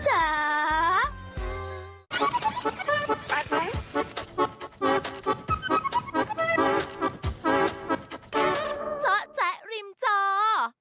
เจ้าแจ๊ะริมเจ้า